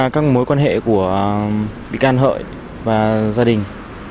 các mối quan hệ của bị can hợi và gia đình